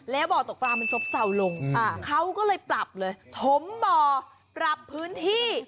แล้วบ่อตกปลามันซบเศร้าลงเขาก็เลยปรับเลยถมบ่อปรับพื้นที่